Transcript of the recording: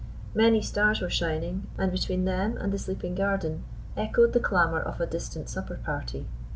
Many stars were shining; and between them and the sleeping garden echoed the clamour of a distant supper party.